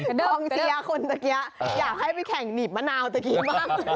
ดองเชียร์คนเมื่อกี้อยากให้ไปแข่งหนีบมะนาวตะกี้บ้าง